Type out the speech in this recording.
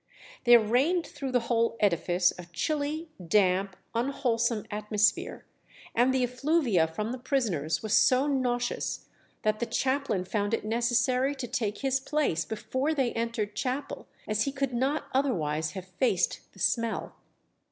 There reigned through the whole edifice a chilly, damp, unwholesome atmosphere, and the effluvia from the prisoners was so nauseous that the chaplain found it necessary to take his place before they entered chapel, as he could not otherwise have faced the smell.